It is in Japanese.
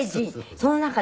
その中で。